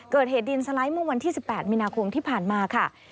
เกิดเหตุดินสไลด์เมื่อวันที่๑๘มีนาคมที่ผ่านมาค่ะ